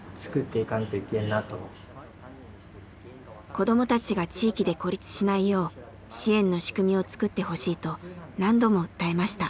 子どもたちが地域で孤立しないよう支援の仕組みを作ってほしいと何度も訴えました。